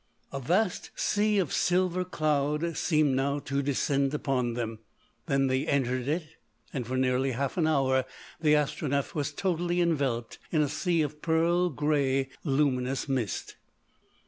A vast sea of silver cloud seemed now to descend upon them. Then they entered it, and for nearly half an hour the Astronef was totally enveloped in a sea of pearl grey luminous mist.